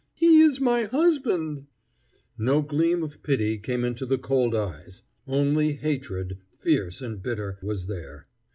He is my husband!" No gleam of pity came into the cold eyes. Only hatred, fierce and bitter, was there.